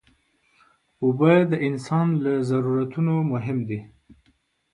اوبه د انسان له ضرورتونو نه مهم دي.